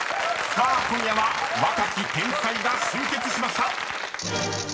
［さあ今夜は若き天才が集結しました！］